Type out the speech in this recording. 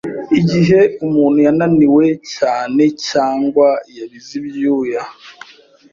igihe umuntu yananiwe cyane, cyangwa yabize ibyuya.